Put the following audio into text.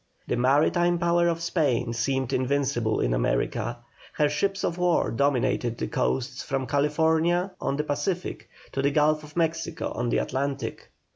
The maritime power of Spain seemed invincible in America; her ships of war dominated the coasts from California on the Pacific to the Gulf of Mexico on the Atlantic.